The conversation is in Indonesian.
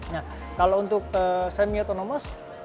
nah kalau untuk semi otonomous